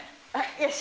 よし。